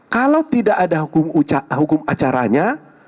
kalau tidak ada hukum acaranya